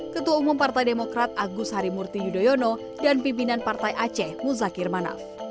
ketua umum partai demokrat agus harimurti yudhoyono dan pimpinan partai aceh muzakir manaf